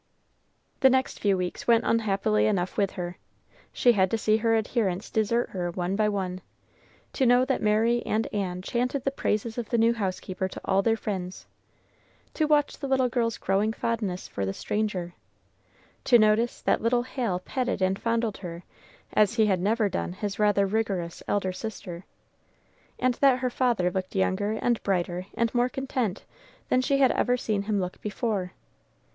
The next few weeks went unhappily enough with her. She had to see her adherents desert her, one by one; to know that Mary and Ann chanted the praises of the new housekeeper to all their friends; to watch the little girls' growing fondness for the stranger; to notice that little Hal petted and fondled her as he had never done his rather rigorous elder sister; and that her father looked younger and brighter and more content than she had ever seen him look before.